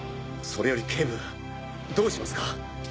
それより警部どうしますか？